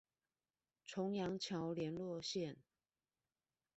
重陽橋聯絡線